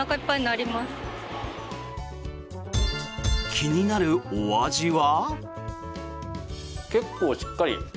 気になるお味は？